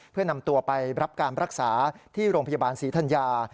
เพื่อนำตัวไปรับการรักษาที่โรงพยาบาลศรีธัญญา